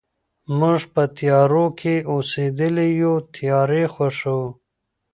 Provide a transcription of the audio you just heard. موږ په تيارو كي اوسېدلي يو تيارې خوښـوو